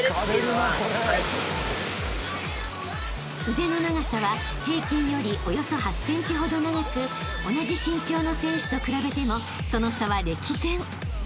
［腕の長さは平均よりおよそ８ｃｍほど長く同じ身長の選手と比べてもその差は歴然］